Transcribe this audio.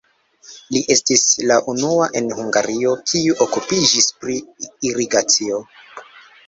Li estis la unua en Hungario, kiu okupiĝis pri irigacio.